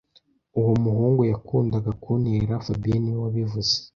Uwo muhungu yakundaga kuntera fabien niwe wabivuze